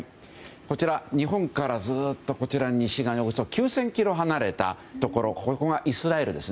日本からずっと西側におよそ９０００ｋｍ離れたところここがイスラエルです。